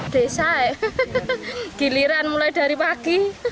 desa giliran mulai dari pagi